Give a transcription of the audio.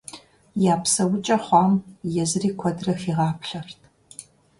Я псэукӀэ хъуам езыри куэдрэ хигъаплъэрт.